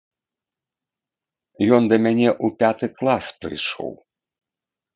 Ён да мяне ў пяты клас прыйшоў.